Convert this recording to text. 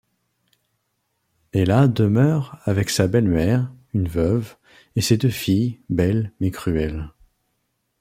Ella demeure avec sa belle-mère, une veuve, et ses deux filles, belles, mais cruelles.